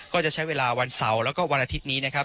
ก็จะใช้เวลาวันเสาร์แล้วก็วันอาทิตย์นี้นะครับ